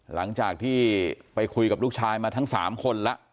หลังจากที่ไปคุยกับลูกชายมาทั้ง๓คนแล้ว